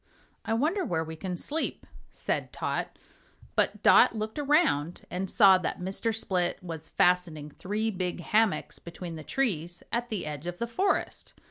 "I wonder where we can sleep," said Tot. But Dot looked around and saw that Mr. Split was fastening three big hammocks between the trees at the edge of the forest.